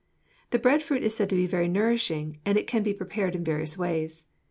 The bread fruit is said to be very nourishing, and it can be prepared in various ways.